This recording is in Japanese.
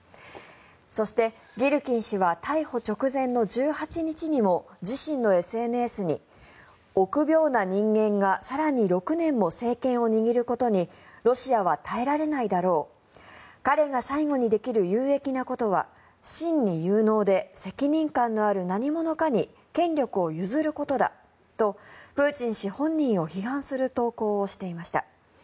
そして、ギルキン氏は逮捕直前の１８日にも自身のＳＮＳに、臆病な人間が更に６年も政権を握ることにロシアは耐えられないだろう彼が最後にできる有益なことは真に有能で責任感のある何者かに権力を譲ることだとプーチン氏本人を批判する投稿をしていました。